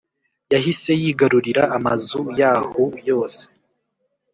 yahise yigarurira amazu yahoo yose